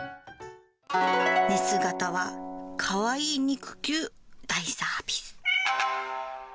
寝姿はかわいい肉球大サービス。